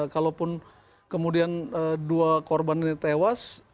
kalaupun kemudian dua korban ini tewas